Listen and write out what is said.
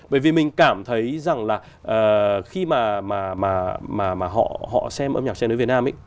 bởi vì mình cảm thấy rằng là khi mà họ xem âm nhạc che nới việt nam ấy